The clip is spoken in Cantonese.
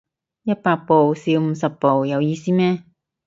一百步笑五十步有意思咩